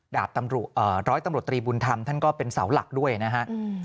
ร้อยตำรวจตรีบุญธรรมท่านก็เป็นเสาหลักด้วยนะฮะ